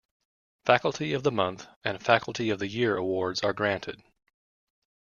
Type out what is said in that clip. Faculty-of-the-month and faculty-of-the-year awards are granted.